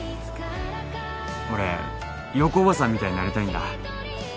俺陽子おばさんみたいになりたいんだ